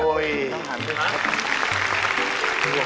โอ้โฮ